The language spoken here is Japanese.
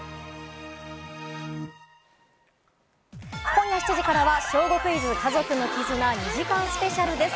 今夜７時からは『小５クイズ』家族の絆２時間スペシャルです。